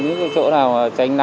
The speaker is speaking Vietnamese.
những chỗ nào tránh mất